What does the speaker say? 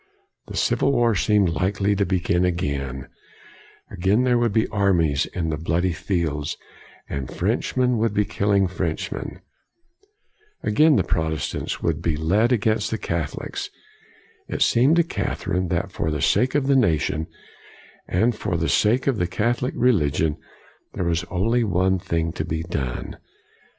The civil war seemed likely to begin again. Again there would be armies in the bloody fields, and Frenchmen would be killing Frenchmen. Again the Protestants would 1 62 COLIGNY be led against the Catholics. It seemed to Catherine that for the sake of the nation and for the sake of the Catholic religion, there was only one thing to be done.